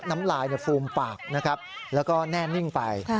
น้ำลายฟูมปากนะครับแล้วก็แน่นิ่งไป